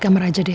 kamar aja deh